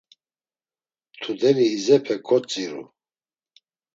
Tudeni izepe kotziru.